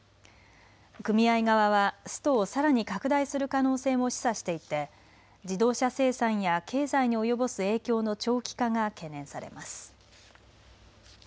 組合側はストをさらに拡大する可能性も示唆していて自動車生産や経済に及ぼす影響の長期化が懸念されます。